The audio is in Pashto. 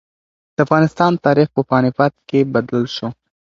د افغانستان تاریخ په پاني پت کې بدل شو.